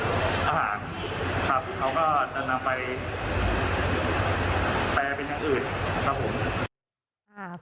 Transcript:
อาหารครับเขาก็จะนำไปแปลเป็นอย่างอื่นครับผม